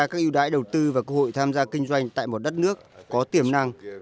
các ưu đãi đầu tư và cơ hội tham gia kinh doanh tại một đất nước có tiềm năng